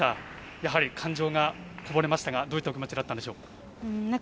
やはり、感情がこぼれましたがどういった気持ちだったんでしょうか。